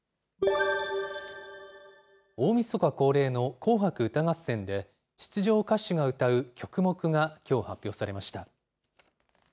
大みそか恒例の紅白歌合戦で、出場歌手が歌う曲目がきょう発表されました。